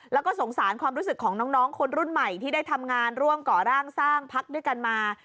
แล้วก็สงสารความรู้สึกของน้องคนรุ่นใหม่ที่ได้ทำงานร่วมก่อร่างสร้างพักด้วยกันมา